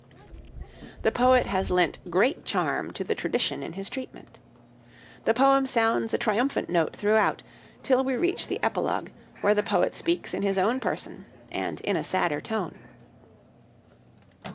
The poet has lent great charm to the tradition in his treatment. The poem sounds a triumphant note throughout, till we reach the epilogue, where the poet speaks in his own person and in a sadder tone.